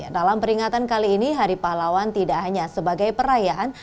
dalam peringatan kali ini hari pahlawan tidak hanya sebagai perayaan